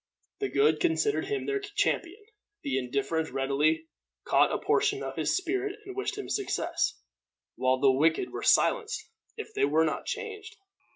The good considered him their champion, the indifferent readily caught a portion of his spirit and wished him success, while the wicked were silenced if they were not changed.